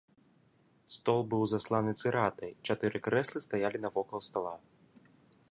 Стол быў засланы цыратай, чатыры крэслы стаялі навокал стала.